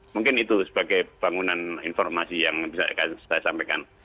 mungkin itu sebagai bangunan informasi yang bisa saya sampaikan